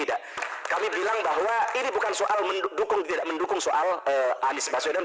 tidak kami bilang bahwa ini bukan soal mendukung tidak mendukung soal anies baswedan